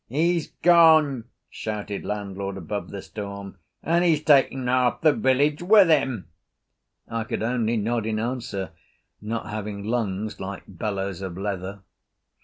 "He's gone," shouted landlord above the storm, "and he's taken half the village with him!" I could only nod in answer, not having lungs like bellows of leather.